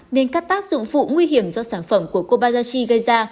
nên các tác dụng phụ nguy hiểm do sản phẩm của kobayashi gây ra